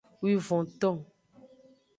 Wivonton.